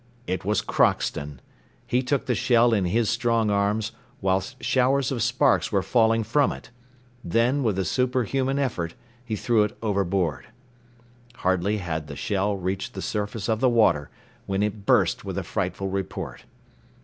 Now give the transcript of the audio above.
It was Crockston; he took the shell in his strong arms, whilst showers of sparks were falling from it; then, with a superhuman effort, he threw it overboard. Hardly had the shell reached the surface of the water when it burst with a frightful report.